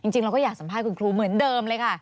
จริงเราก็อยากสัมภาษณ์คุณครูเหมือนเดิมเลยค่ะ